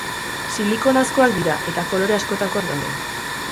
Silikonazkoak dira eta kolore askotakoak daude.